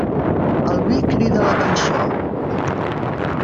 El vi crida la cançó.